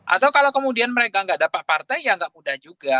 atau kalau kemudian mereka nggak dapat partai ya nggak mudah juga